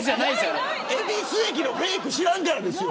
恵比寿駅のフェイク知らんからですよ。